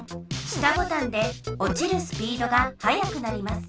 下ボタンでおちるスピードがはやくなります。